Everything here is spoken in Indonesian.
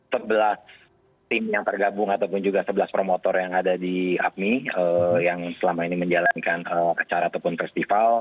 sebelas tim yang tergabung ataupun juga sebelas promotor yang ada di apmi yang selama ini menjalankan acara ataupun festival